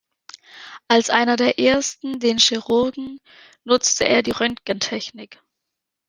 Als einer der ersten den Chirurgen nutzte er die Röntgentechnik.